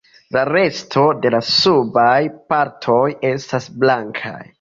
La resto de la subaj partoj estas blankaj.